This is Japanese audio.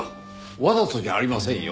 わざとじゃありませんよ。